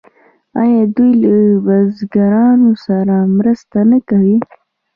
آیا دوی له بزګرانو سره مرسته نه کوي؟